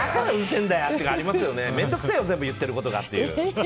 面倒くせえよ全部言ってることが。